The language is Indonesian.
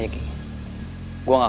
ngapain lu selesai